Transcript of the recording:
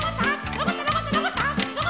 のこったのこったのこった！